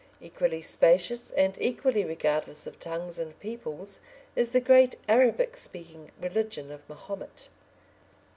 Equally spacious and equally regardless of tongues and peoples is the great Arabic speaking religion of Mahomet.